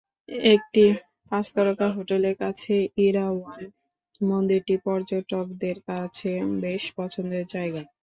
একটি পাঁচ তারকা হোটেলের কাছে ইরাওয়ান মন্দিরটি পর্যটকদের কাছে বেশ পছন্দের জায়গা।